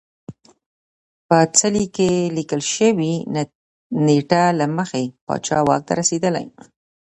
په څلي کې لیکل شوې نېټه له مخې پاچا واک ته رسېدلی